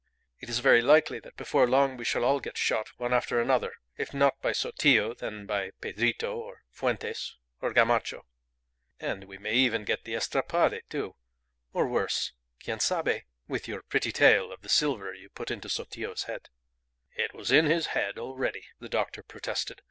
It is very likely that before long we shall all get shot one after another, if not by Sotillo, then by Pedrito, or Fuentes, or Gamacho. And we may even get the estrapade, too, or worse quien sabe? with your pretty tale of the silver you put into Sotillo's head." "It was in his head already," the doctor protested.